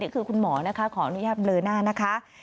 นี่คือคุณหมอขออนุญาตเบลอหน้านะคะ